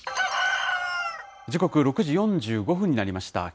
時刻、６時４５分になりました。